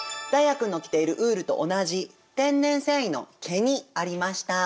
君の着てるウールと同じ天然繊維の毛にありました。